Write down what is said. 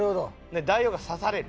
で大王が刺される。